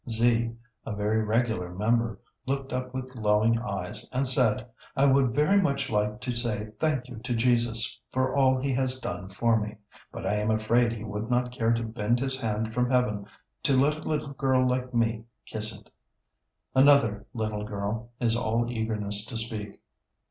Z., a very regular member, looked up with glowing eyes, and said, "I would very much like to say thank you to Jesus for all He has done for me, but I am afraid He would not care to bend His hand from heaven to let a little girl like me kiss it."... Another little girl is all eagerness to speak.